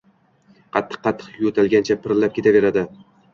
Qattiq-qattiq yo’talgancha pildirab ketaverardi.